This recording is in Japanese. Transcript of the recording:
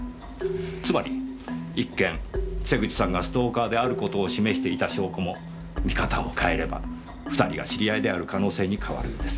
つまり一見瀬口さんがストーカーである事を示していた証拠も見方を変えれば２人が知り合いである可能性に変わるんです。